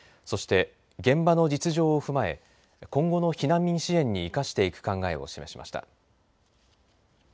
そして、現場の実情を踏まえ今後の避難民支援に生かしていく考えを示しました。